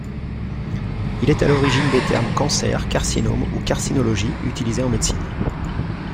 Il est à l'origine des termes cancer, carcinome ou carcinologie, utilisés en médecine.